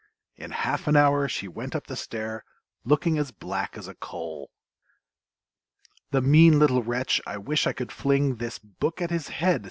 In half an hour she went up the stair, Looking as black as a coal! "The mean little wretch, I wish I could fling This book at his head!"